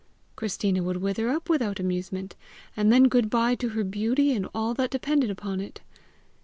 Christina would wither up without amusement, and then good bye to her beauty and all that depended upon it!